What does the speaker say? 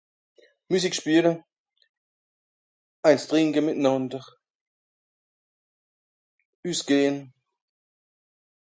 Musique schpeele ains trìnke mìtnànder üssgehn